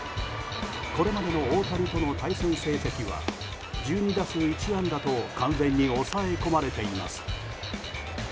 これまでの大谷との対戦成績は１２打数１安打と完全に抑え込まれています。